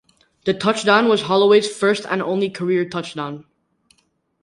The touchdown was Holloway's first and only career touchdown.